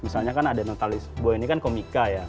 misalnya kan ada notalis boy ini kan komika ya